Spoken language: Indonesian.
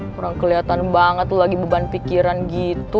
kurang kelihatan banget lagi beban pikiran gitu